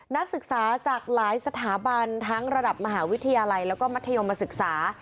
นักศึกษาจากหลายสถาบันทั้งระดับมหาวิทยาลัยแล้วก็มัธยมศึกษา